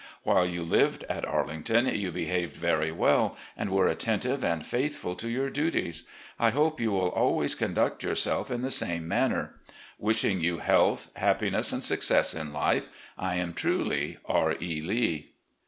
While you lived at Arlington you behaved very well, and were attentive and faithful to your duties. I hope you will always conduct yourself in the same manner. Wishing you health, happiness, and success in life, I am truly, "R. E. Lee."